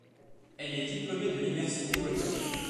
Elle est diplômée de l'université Volda.